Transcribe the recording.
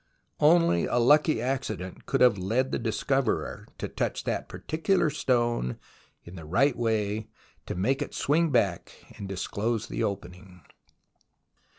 Only a lucky accident could have led the discoverer to touch that particular stone in the right way to make it swing back and disclose the opening.